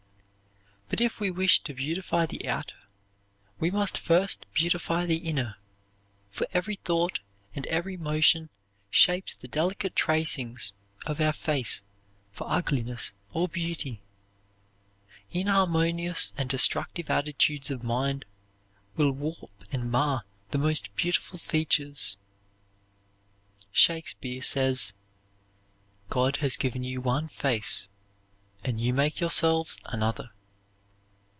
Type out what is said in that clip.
But if we wish to beautify the outer, we must first beautify the inner, for every thought and every motion shapes the delicate tracings of our face for ugliness or beauty. Inharmonious and destructive attitudes of mind will warp and mar the most beautiful features. Shakespeare says: "God has given you one face and you make yourselves another."